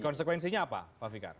konsekuensinya apa pak fikar